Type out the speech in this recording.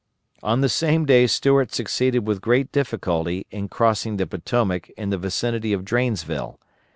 On the same day Stuart succeeded with great difficulty in crossing the Potomac in the vicinity of Drainsville.